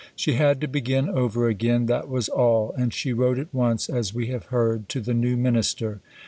She had to begin over again, that was all; and she wrote at once, as we have heard, to the new Minister.